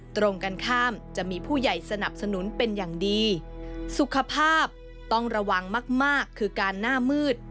ตรงกันข้ามจะมีผู้ใหญ่สนับสนุนเป็นอย่างดีสุขภาพต้องระวังมากมากคือการหน้ามืด